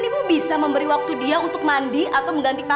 tapi kan ibu bisa memberi waktu dia untuk mandi atau mengganti pakaian